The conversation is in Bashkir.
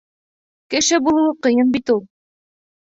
Кеше булыуы ҡыйын бит ул.